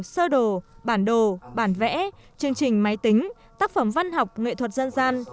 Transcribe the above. sơ đồ bản đồ bản vẽ chương trình máy tính tác phẩm văn học nghệ thuật dân gian